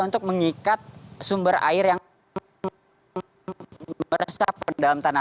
untuk mengikat sumber air yang meresap ke dalam tanah